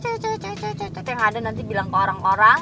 yang ada nanti bilang ke orang orang